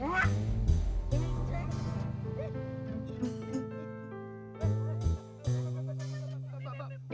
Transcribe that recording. bapak bapak bapak bapak